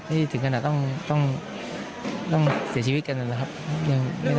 ที่ถึงกันอ่ะต้องต้องเสียชีวิตกันอ่ะครับยังไม่ได้